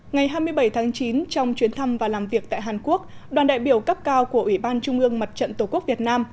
ngày hai mươi bảy tháng chín trong chuyến thăm và làm việc tại hàn quốc đoàn đại biểu cấp cao của ủy ban trung ương mặt trận tổ quốc việt nam